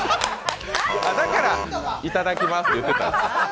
だから、いただきまーすって言ってたんだ。